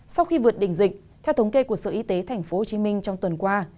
sau khi vượt đỉnh dịch theo thống kê của sở y tế thành phố hồ chí minh trong tuần qua